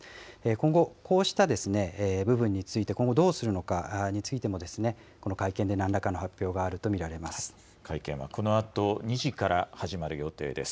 今後、こうした部分について、今後どうするのかについても、この会見でなんらかの発表があると見会見はこのあと２時から始まる予定です。